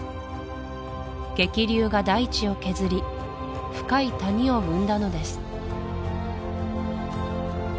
激流が大地を削り深い谷を生んだのです